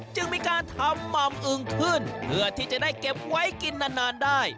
จึงมีการทำหม่ำอึงขึ้นเพื่อที่จะได้เก็บไว้กินนานได้